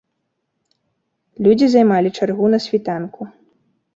Людзі займалі чаргу на світанку.